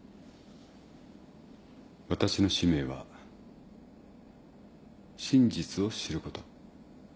私の使命は真実を知ること。